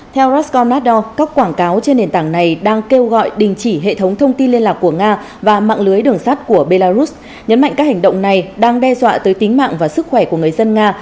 theo ra con nador các quảng cáo trên nền tảng này đang kêu gọi đình chỉ hệ thống thông tin liên lạc của nga và mạng lưới đường sắt của belarus nhấn mạnh các hành động này đang đe dọa tới tính mạng và sức khỏe của người dân nga